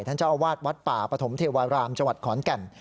ท่านเจ้าอวาดวัดป่าปฐมเทวารามจขอนแก่น